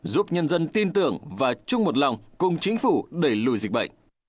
giúp nhân dân tin tưởng và chung một lòng cùng chính phủ đẩy lùi dịch bệnh